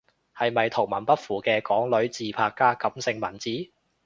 係咪圖文不符嘅港女自拍加感性文字？